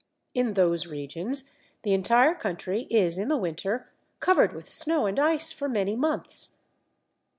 In those regions the entire country is in the winter covered with snow and ice for many months.